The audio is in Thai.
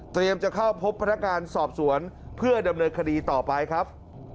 เตรียมจะเข้าพบพนักการณ์สอบสวนเพื่อดำเนิดคดีต่อไปครับ